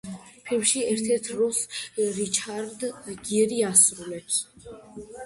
ფილმში ერთ-ერთ როლს რიჩარდ გირი ასრულებს.